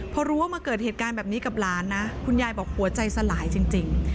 พอรู้ว่ามาเกิดเหตุการณ์แบบนี้กับหลานนะคุณยายบอกหัวใจสลายจริง